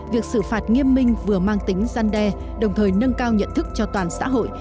việc xử phạt nghiêm minh vừa mang tính gian đe đồng thời nâng cao nhận thức cho toàn xã hội